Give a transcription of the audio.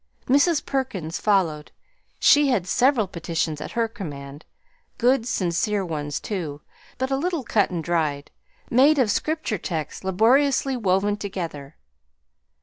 Mrs. Perkins followed; she had several petitions at her command, good sincere ones too, but a little cut and dried, made of scripture texts laboriously woven together.